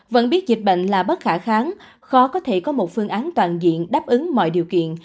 vẫn biết dịch bệnh là bất khả kháng khó có thể có một phương án toàn diện đáp ứng mọi điều kiện